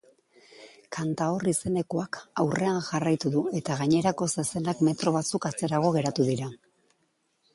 Cantaor izenekoak aurrean jarraitu du eta gainerako zezenak metro batzuk atzerago geratu dira.